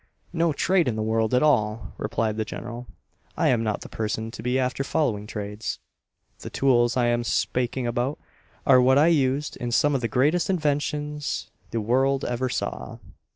"No trade in the world at all," replied the general; "I am not the person to be after following trades. The tools I am spaking about are what I used in some of the greatest inventions the world ever saw.